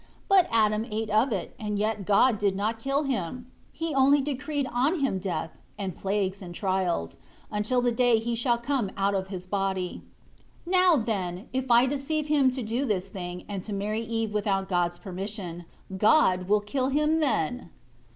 But Adam ate of it, and yet God did not kill him; He only decreed on him death, and plagues and trials, until the day he shall come out of his body. 11 Now, then, if I deceive him to do this thing, and to marry Eve without God's permission, God will kill him then."